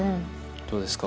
どうですか？